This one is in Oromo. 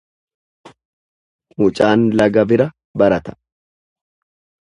Mucaan laga bira barata.